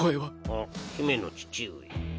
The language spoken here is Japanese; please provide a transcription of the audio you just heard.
あっ姫の父上。